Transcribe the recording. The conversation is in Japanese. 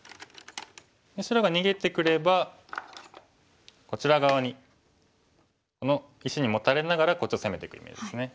白が逃げてくればこちら側にこの石にモタれながらこっちを攻めていくイメージですね。